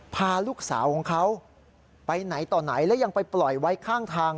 พาลูกสาวของเขาไปไหนต่อไหนและยังไปปล่อยไว้ข้างทาง